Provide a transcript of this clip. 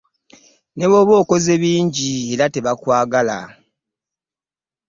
Ne bw'oba okoze bingi era tebakwagala.